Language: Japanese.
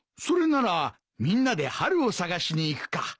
それならみんなで春を探しに行くか。